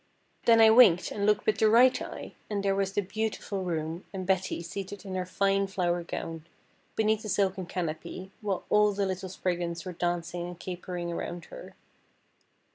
Then I winked, and looked with the right eye, and there was the beautiful room, and Betty seated in her fine flower gown, beneath the silken canopy, while all the little Spriggans were dancing and capering around her.